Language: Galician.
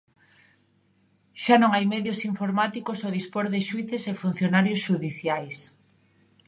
Xa non hai medios informáticos ao dispor de xuíces e funcionarios xudiciais.